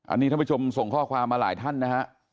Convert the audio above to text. อันนี้ท่านผู้ชมส่งข้อความมาหลายท่านนะฮะ